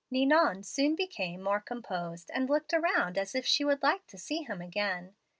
Ninon soon became more composed, and looked around as if she would like to see him again.